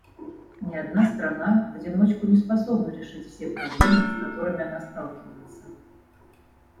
Ни одна страна в одиночку не способна решить все проблемы, с которыми она сталкивается.